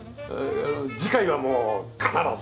次回はもう必ず！